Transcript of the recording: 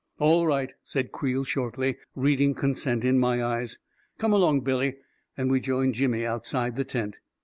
" All right," said Creel shortly, reading consent in my eyes. " Come along, Billy," and we joined Jimmy outside the tent.